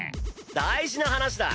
大事な話だ。